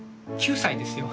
９歳ですよ。